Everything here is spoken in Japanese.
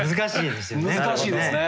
難しいですよね。